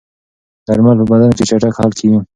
درمل په بدن کې چټک حل کېږي.